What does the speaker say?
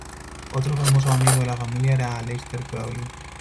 Otro famoso amigo de la familia era Aleister Crowley.